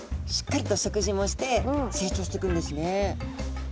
しっかりと食事もして成長していくんですね。